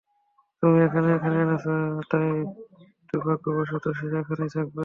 তুমি তাকে এখানে এনেছো, তাই দুভার্গ্যবশত, সে এখানেই থাকবে।